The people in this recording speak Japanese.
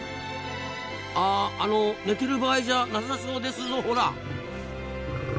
ああの寝てる場合じゃなさそうですぞほら。